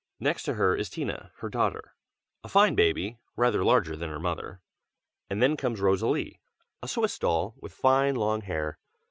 Next to her is Tina, her daughter, a fine baby rather larger than her mother; and then comes Rosalie, a Swiss doll, with fine long hair.